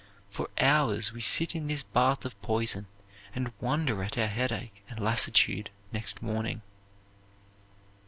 For hours we sit in this bath of poison, and wonder at our headache and lassitude next morning.